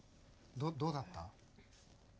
どうだった？